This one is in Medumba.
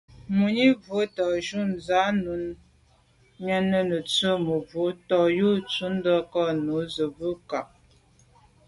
Mùní bə́ á tá'’jú zǎ nunm wîndə́ nə̀ tswə́ mə̀bró tɔ̌ yù tǔndá kā á nun sə̂' bû ncà.